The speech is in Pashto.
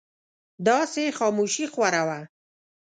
داسې خاموشي خوره وه.